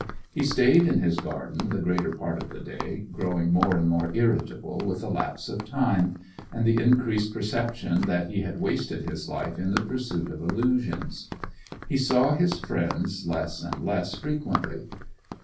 He stayed in his garden the greater part of the day, growing more and more irritable with the lapse of time, and the increasing perception that he had wasted his life in the pursuit of illusions. He saw his friends less and less frequently.